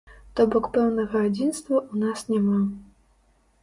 То бок пэўнага адзінства ў нас няма.